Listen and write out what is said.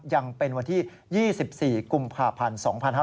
ยังเป็นวันที่๒๔กุมภาพันธ์๒๕๕๙